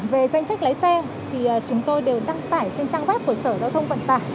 về danh sách lái xe thì chúng tôi đều đăng tải trên trang web của sở giao thông vận tải